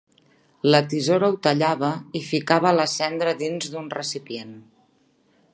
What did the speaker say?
La tisora ho tallava i ficava la cendra dins d'un recipient.